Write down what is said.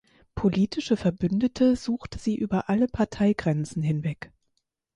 Politische Verbündete suchte sie über alle Parteigrenzen hinweg.